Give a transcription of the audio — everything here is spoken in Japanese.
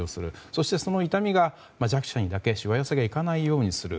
そして、その痛みが弱者にだけしわ寄せがいかないようにする。